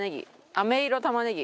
あめ色玉ねぎ。